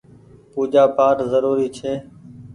پوجآ پآٽ ڪآ زروري ڇي۔